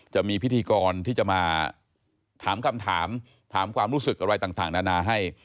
จะมีพิธีกรที่จะมาถามคำถามถามความรู้สึกอะไรต่างนานาให้